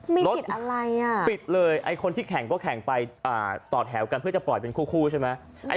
มีรถอะไรอ่ะปิดเลยไอ้คนที่แข่งก็แข่งไปต่อแถวกันเพื่อจะปล่อยเป็นคู่ใช่ไหม